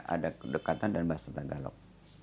ada kedekatan dan bahasa tagalog